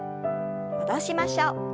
戻しましょう。